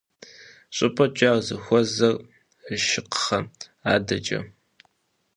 Щӏыпӏэкӏэ ар зыхуэзэр «Шыкхъэ» адэкӏэщ.